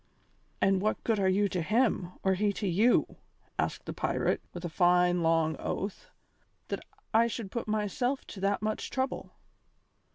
"And what good are you to him, or he to you," asked the pirate, with a fine long oath, "that I should put myself to that much trouble?"